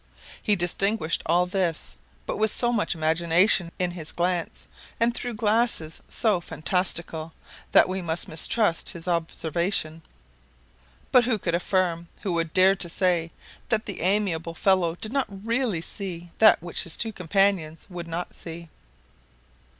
He distinguished all this, but with so much imagination in his glance, and through glasses so fantastical, that we must mistrust his observation. But who could affirm, who would dare to say, that the amiable fellow did not really see that which his two companions would not see?